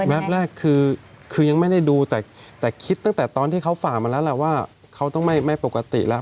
แรกคือยังไม่ได้ดูแต่คิดตั้งแต่ตอนที่เขาฝ่ามาแล้วแหละว่าเขาต้องไม่ปกติแล้ว